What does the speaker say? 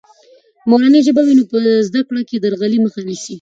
که مورنۍ ژبه وي، نو په زده کړه کې د درغلي مخه نیسي.